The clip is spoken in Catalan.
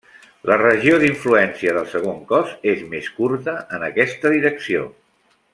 La regió d'influència del segon cos és més curta en aquesta direcció.